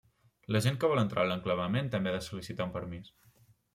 La gent que vol entrar a l'enclavament també ha de sol·licitar un permís.